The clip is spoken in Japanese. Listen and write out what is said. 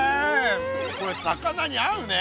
これ魚に合うね。